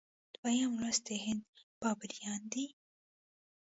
دویم لوست د هند بابریان دي.